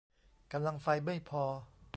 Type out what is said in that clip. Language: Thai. กำลังไฟไม่พอ